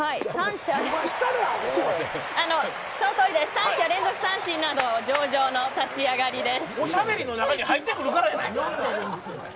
三者連続三振など上々の立ち上がりです。